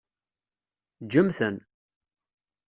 Ǧǧem-ten.